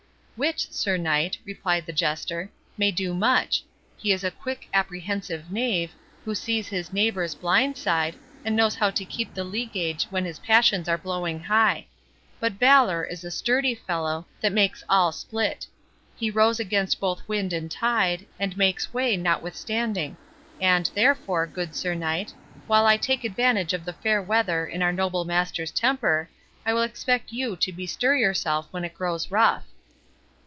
"Wit, Sir Knight," replied the Jester, "may do much. He is a quick, apprehensive knave, who sees his neighbours blind side, and knows how to keep the lee gage when his passions are blowing high. But valour is a sturdy fellow, that makes all split. He rows against both wind and tide, and makes way notwithstanding; and, therefore, good Sir Knight, while I take advantage of the fair weather in our noble master's temper, I will expect you to bestir yourself when it grows rough."